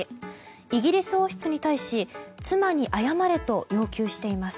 イギリス王室に対し妻に謝れと要求しています。